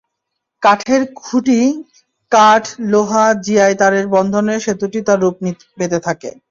কাঠের খুঁটি, কাঠ, লোহা, জিআই তারের বন্ধনে সেতুটি তার রূপ পেতে থাকে।